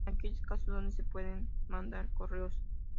En aquellos casos donde se puedan mandar correos